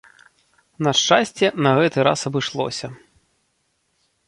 На шчасце, на гэты раз абышлося.